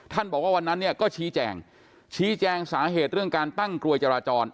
บอกว่าวันนั้นเนี่ยก็ชี้แจงชี้แจงสาเหตุเรื่องการตั้งกลวยจราจร